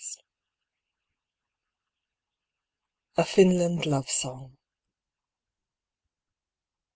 A FINLAND LOVE SONG.